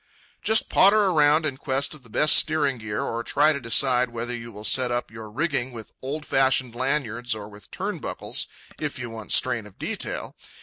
Just potter around in quest of the best steering gear, or try to decide whether you will set up your rigging with old fashioned lanyards or with turnbuckles, if you want strain of detail.